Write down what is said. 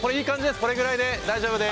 これぐらいで大丈夫です。